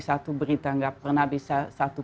satu berita nggak pernah bisa satu